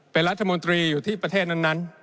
เป็นรัฐมนตรีอยู่ที่ประเทศนั้น